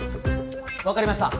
わかりました。